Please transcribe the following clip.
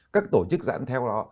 các tổ chức giãn theo đó